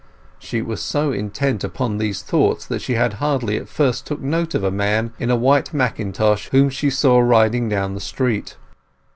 She was so intent upon these thoughts that she hardly at first took note of a man in a white mackintosh whom she saw riding down the street.